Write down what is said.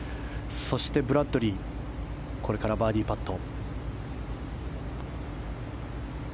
そして、ブラッドリーこれからバーディーパット。